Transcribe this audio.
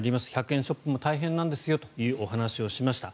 １００円ショップも大変なんですよというお話をしました。